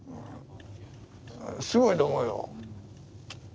すごいと思うよ。